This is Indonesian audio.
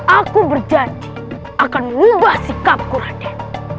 aku berjanji akan mengubah sikapku rakyat